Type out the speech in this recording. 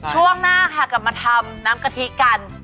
ช่วงหน้าค่ะกลับมาทำน้ำกะทิกัน